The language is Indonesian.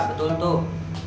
iya betul tuh